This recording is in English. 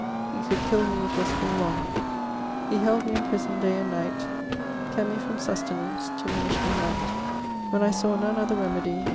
e cowlde kyll me it was full lounge .... he hyld me in prison day and nyght .. eapt me from sustenance to mynishe me myght ... When I saw none other remedye